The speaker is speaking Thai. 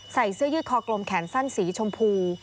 เสื้อยืดคอกลมแขนสั้นสีชมพู